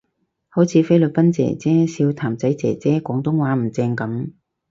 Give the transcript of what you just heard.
好似菲律賓姐姐笑譚仔姐姐廣東話唔正噉